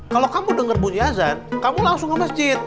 kalau kamu dengar bunyi azan kamu langsung ke masjid